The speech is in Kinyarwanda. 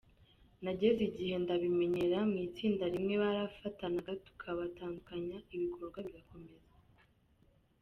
Nageze igihe ndabimenyera mu itsinda, rimwe barafatanaga tukabatandukanya ibikorwa bigakomeza.